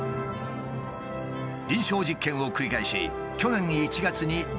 臨床実験を繰り返し去年１月に実用化に成功。